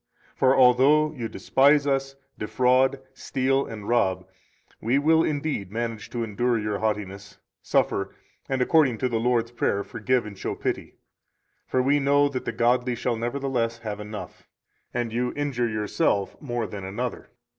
For although you despise us, defraud, steal, and rob, we will indeed manage to endure your haughtiness, suffer, and, according to the Lord's Prayer, forgive and show pity; for we know that the godly shall nevertheless have enough, and you injure yourself more than another.